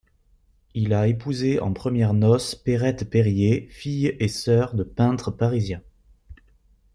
Il a épousé en premières noces Perrette Périer, fille et sœur de peintres parisiens.